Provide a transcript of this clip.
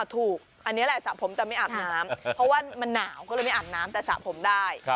ถูกอันนี้แหละสระผมแต่ไม่อาบน้ำเพราะว่ามันหนาวก็เลยไม่อาบน้ำแต่สระผมได้